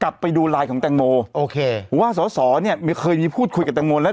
กลับไปดูไลน์ของแตงโมโอเคว่าสอสอเนี่ยไม่เคยมีพูดคุยกับแตงโมแล้ว